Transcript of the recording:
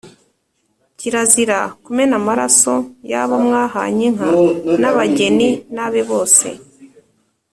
kirazira kumena Amaraso y’abo mwahanye inka n’abageni n’abe bose